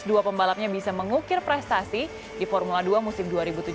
dua pembalapnya bisa mengukir prestasi di formula dua musim dua ribu tujuh belas